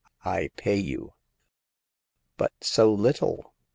I pay you !" "But so little!'